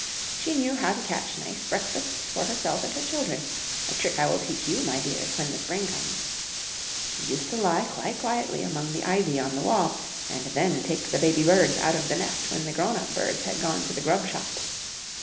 She knew how to catch nice breakfasts for herself and her children, a trick I will teach you, my dears, when the spring comes; she used to lie quite quietly among the ivy on the wall, and then take the baby birds out of the nest when the grown up birds had gone to the grub shop.